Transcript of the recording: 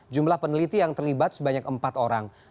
jumlah peneliti yang terlibat sebanyak empat orang